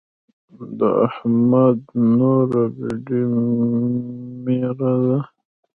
د احمد نوره بېډۍ ميره ده.